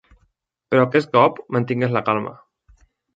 Però aquest cop mantingues la calma.